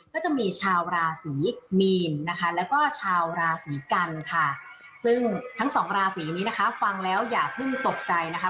ก็จะมีชาวราศีมีนนะคะแล้วก็ชาวราศีกันค่ะซึ่งทั้งสองราศีนี้นะคะฟังแล้วอย่าเพิ่งตกใจนะคะ